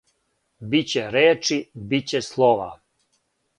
Биће речи, биће слова!